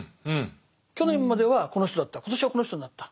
去年まではこの人だった今年はこの人になった。